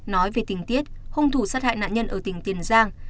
nói về tình tiết hung thủ sát hại nạn nhân ở tỉnh tiền giang